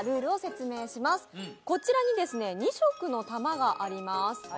こちらに２色の玉があります